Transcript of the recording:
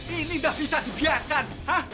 ini nggak bisa dibiarkan